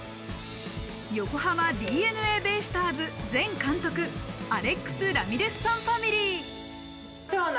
横浜ＤｅＮＡベイスターズ前監督、アレックス・ラミレスさんファミリー。